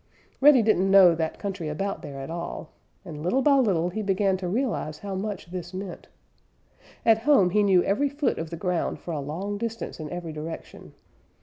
Reddy didn't know that country about there at all, and little by little he began to realize how much this meant. At home he knew every foot of the ground for a long distance in every direction.